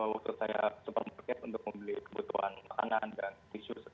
waktu saya supermarket untuk membeli kebutuhan makanan dan tisu